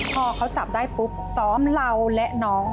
พอเขาจับได้ปุ๊บซ้อมเราและน้อง